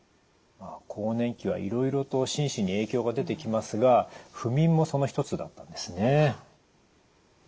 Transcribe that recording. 更年期はいろいろと心身に影響が出てきますが不眠もその一つだったんですね。